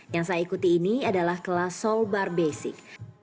yang saya ikuti ini adalah kelas soul bar basic